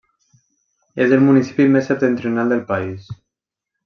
És el municipi més septentrional del país.